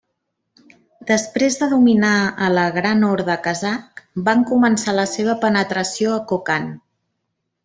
Després de dominar a la Gran Horda Kazakh van començar la seva penetració a Kokand.